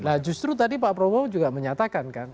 nah justru tadi pak prabowo juga menyatakan kan